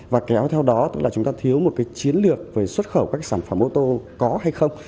và kéo theo đó là chúng ta thiếu một chiến lược về xuất khẩu các sản phẩm ô tô có hay không